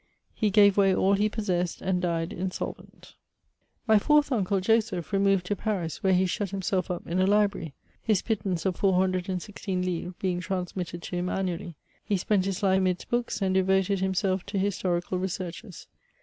He gave away all he possessed, and died insolvent. mm 48 MEMOIRS OF My fourth uncle, Joseph, remoTed to Paris, where he shut himself up in a library; his pittance of 416 livres being transmitted to him annually. He spent his life amidst books ; and devoted himself to historical researches.